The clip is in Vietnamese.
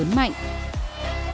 xin chào và hẹn gặp lại